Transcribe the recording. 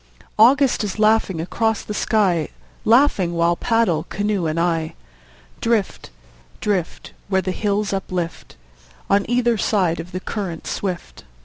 August is laughing across the sky, Laughing while paddle, canoe and I, Drift, drift, Where the hills uplift On either side of the current swift.